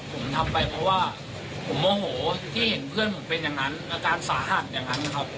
ผมทำไปเพราะว่าผมโมโหที่เห็นเพื่อนผมเป็นอย่างนั้นอาการสาหัสอย่างนั้นครับ